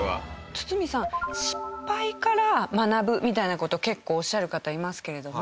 堤さん失敗から学ぶみたいな事結構おっしゃる方いますけれども。